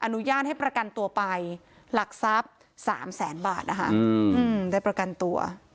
อนุญาตให้ประกันตัวไปหลักทรัพย์๓แสนบาทนะคะได้ประกันตัว